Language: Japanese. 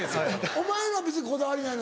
お前は別にこだわりないの？